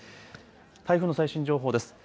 台風の最新情報です。